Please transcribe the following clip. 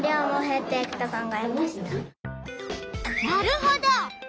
なるほど。